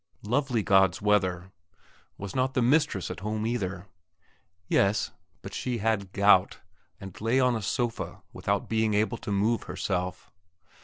Lovely God's weather. Was not the mistress at home either? Yes; but she had gout, and lay on a sofa without being able to move herself....